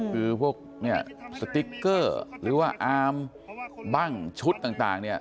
คือพวกนี่สติคเกอร์หรือว่าบั้งชุดต่างเนี่ย